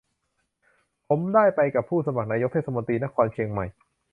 ผมได้ไปกับผู้สมัครนายกเทศมนตรีนครเชียงใหม่